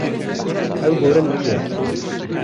Ev gore nû ye.